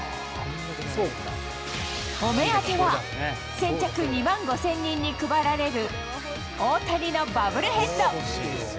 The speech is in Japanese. お目当ては、先着２万５０００人に配られる大谷のバブルヘッド。